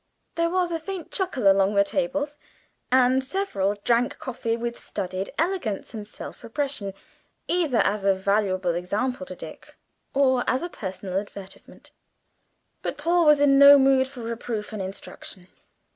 There was a faint chuckle along the tables, and several drank coffee with studied elegance and self repression either as a valuable example to Dick, or as a personal advertisement. But Paul was in no mood for reproof and instruction.